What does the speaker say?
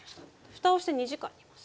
ふたをして２時間煮ます。